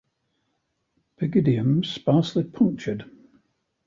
Pygidium sparsely punctured.